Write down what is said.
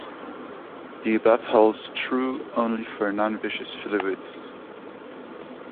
The above holds true only for non-viscous fluids.